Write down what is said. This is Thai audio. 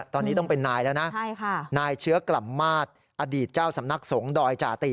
ตอนนี้ต้องเป็นนายแล้วนะนายเชื้อกล่ำมาตรอดีตเจ้าสำนักสงฆ์ดอยจาติ